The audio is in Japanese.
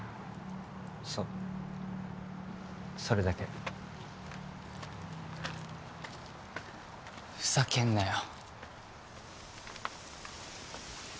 そうそれだけふざけんなよ